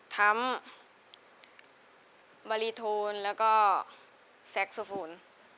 ทำบารีโทนแล้วก็แซคโซโฟน